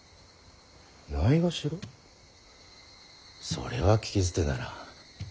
それは聞き捨てならん。